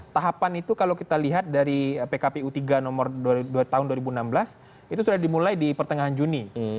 tahapan itu kalau kita lihat dari pkpu tiga nomor dua tahun dua ribu enam belas itu sudah dimulai di pertengahan juni